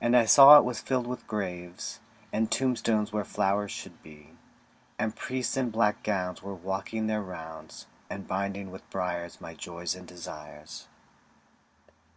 And I saw it was filled with graves, And tombstones where flowers should be; And priests in black gowns were walking their rounds, And binding with briars my joys and desires.